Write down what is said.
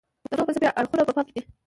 د موضوع فلسفي اړخونه په پام کې دي.